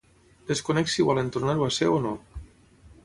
Desconec si volen tornar-ho a ser o no.